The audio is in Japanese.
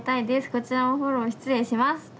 こちらもフォロー失礼します」。